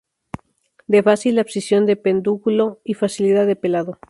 De fácil abscisión de pedúnculo y facilidad de pelado.